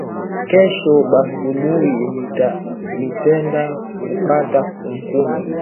Kesho busubuyi mitenda kukata nkuni